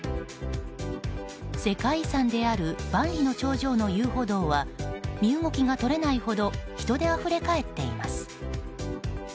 世界遺産である万里の長城の遊歩道は身動きが取れないほど人であふれ返っています。